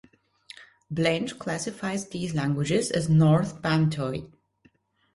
Blench classifies these languages as North Bantoid.